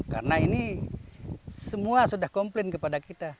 karena ini semua sudah komplain kepada kita